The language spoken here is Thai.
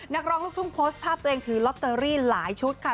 นักร้องลูกทุ่งโพสต์ภาพตัวเองถือลอตเตอรี่หลายชุดค่ะ